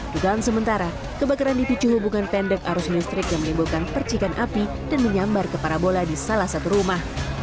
dugaan sementara kebakaran dipicu hubungan pendek arus listrik yang menimbulkan percikan api dan menyambar ke para bola di salah satu rumah